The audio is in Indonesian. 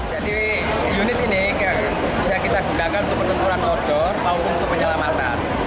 jadi unit ini bisa kita gunakan untuk penenturan outdoor maupun untuk penyelamatan